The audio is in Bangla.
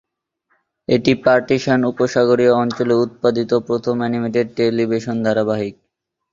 এটি পার্সিয়ান উপসাগরীয় অঞ্চলে উৎপাদিত প্রথম অ্যানিমেটেড টেলিভিশন ধারাবাহিক।